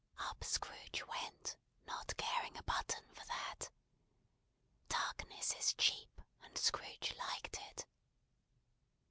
Up Scrooge went, not caring a button for that. Darkness is cheap, and Scrooge liked it.